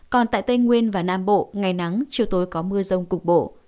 còn tại tây nguyên và nam bộ ngày nắng chiều tối có mưa rông cục bộ